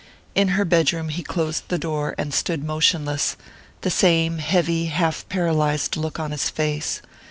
In her bedroom he closed the door and stood motionless, the same heavy half paralyzed look on his face.